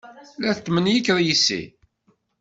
La tetmenyikeḍ yes-i?